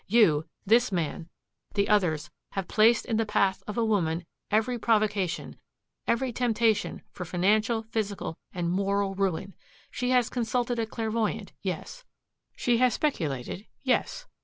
You this man the others have placed in the path of a woman every provocation, every temptation for financial, physical, and moral ruin. She has consulted a clairvoyant yes. She has speculated yes.